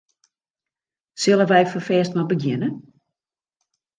Sille wy ferfêst mar begjinne?